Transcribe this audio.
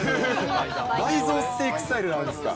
倍増していくスタイルなんですか。